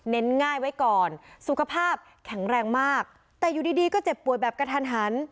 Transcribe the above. ง่ายไว้ก่อนสุขภาพแข็งแรงมากแต่อยู่ดีดีก็เจ็บป่วยแบบกระทันหัน